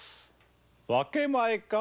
分け前か？